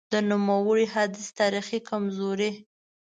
د نوموړي حدیث تاریخي کمزوري :